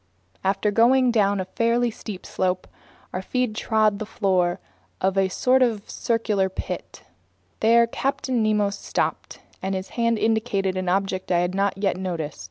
After going down a fairly steep slope, our feet trod the floor of a sort of circular pit. There Captain Nemo stopped, and his hand indicated an object that I hadn't yet noticed.